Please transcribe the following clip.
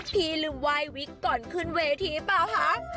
พี่ลืมไหว้วิกก่อนขึ้นเวทีเปล่าคะ